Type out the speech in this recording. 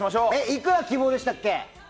いくら希望でしたっけ？